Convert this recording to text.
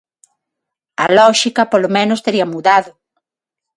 A lóxica, polo menos, tería mudado.